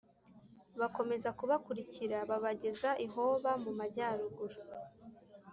bakomeza kubakurikira babageza i Hoba mu majyaruguru